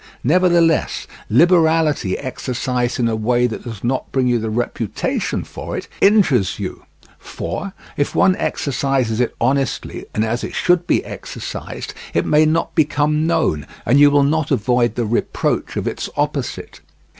Nevertheless, liberality exercised in a way that does not bring you the reputation for it, injures you; for if one exercises it honestly and as it should be exercised, it may not become known, and you will not avoid the reproach of its opposite.